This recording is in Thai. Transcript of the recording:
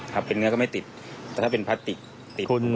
ถ้าเป็นเนื้อก็ไม่ติดถ้าเป็นพัสติกติดก็เลยเอา